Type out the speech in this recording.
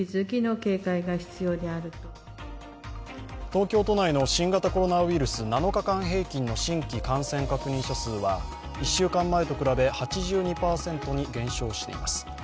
東京都内の新型コロナウイルス７日間平均の新規感染者数は１週間前と比べ、８２％に減少しています。